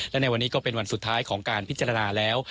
และในวันนี้ก็เป็นวันสุดท้ายของการพิจารณาแล้ว